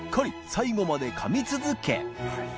最後まで噛み続け